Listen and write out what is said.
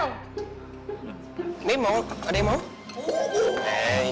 ini mau ada yang mau